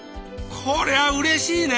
これはうれしいね。